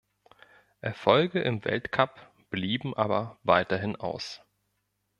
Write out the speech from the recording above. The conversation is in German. Erfolge im Weltcup blieben aber weiterhin aus.